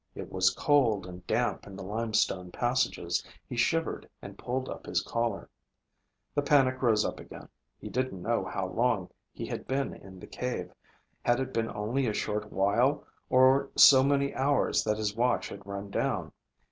It was cold and damp in the limestone passages. He shivered and pulled up his collar. The panic rose up again. He didn't know how long he had been in the cave. Had it been only a short while, or so many hours that his watch had run down?